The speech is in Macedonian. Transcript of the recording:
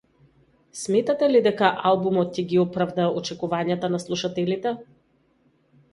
Сметате ли дека албумот ќе ги оправда очекувањата на слушателите?